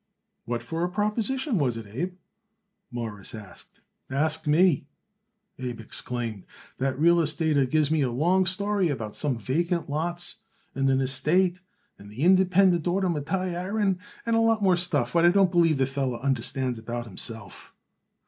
"What for a proposition was it, Abe?" Morris asked. "Ask me!" Abe exclaimed. "That real estater gives me a long story about some vacant lots, and an estate, and the Independent Order Mattai Aaron, and a lot more stuff what I don't believe the feller understands about himself."